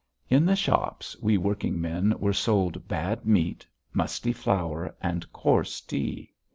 In the shops we working men were sold bad meat, musty flour, and coarse tea.